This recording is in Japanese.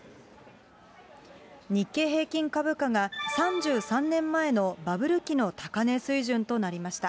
日経平均株価が３３年前のバブル期の高値水準となりました。